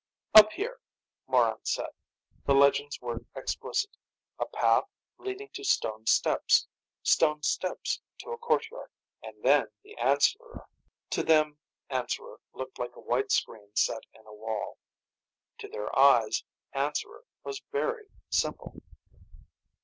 "Up here," Morran said. The legends were explicit. A path, leading to stone steps. Stone steps to a courtyard. And then the Answerer! To them, Answerer looked like a white screen set in a wall. To their eyes, Answerer was very simple.